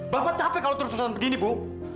bapak capek kalau terusan begini bu